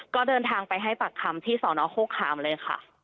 ก็เดินทางไปให้ปัดคำที่สโฆขาโทรดีขามเลยค่ะ